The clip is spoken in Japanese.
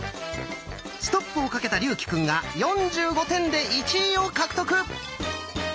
ストップをかけた竜暉くんが４５点で１位を獲得。